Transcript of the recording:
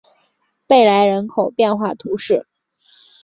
贝莱人口变化图示